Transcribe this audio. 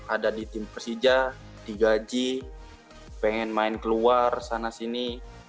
ada di tim persija digaji pengen main keluar sana sini